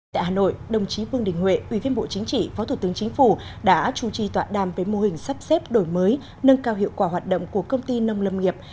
tại hà nội đồng chí vương đình huệ ủy viên bộ chính trị phó thủ tướng chính phủ đã chủ trì tọa đàm với mô hình sắp xếp đổi mới nâng cao hiệu quả hoạt động của công ty nông lâm nghiệp